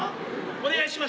お願いしま